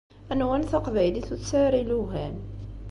Nwan taqbaylit ur tesɛi ara ilugan.